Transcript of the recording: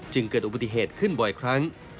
เกิดอุบัติเหตุขึ้นบ่อยครั้ง